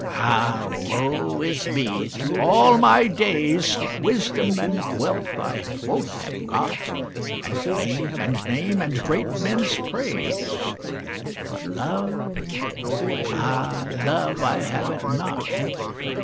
Ah, woe is me, through all my days Wisdom and wealth I both have got, And fame and name, and great men's praise; But Love, ah Love! I have it not.